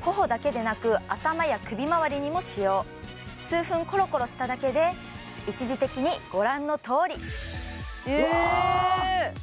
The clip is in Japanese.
頬だけでなく頭や首まわりにも使用数分コロコロしただけで一時的にご覧のとおりえーっ！